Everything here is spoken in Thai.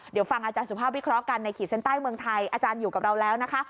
เดี๋ยวฟังอาจารย์สุภาพวิเคราะห์กันในขีดเส้นใต้เมืองไทยอาจารย์อยู่กับเราแล้วนะคะ